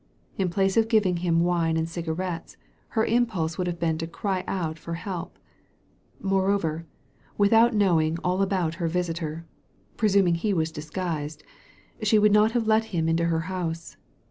In place of giving him wine and cigarettes, her impulse would have been to cry out for help. Moreover, without knowing all about her visitor — presuming he was disguised — she would not have let him into her house.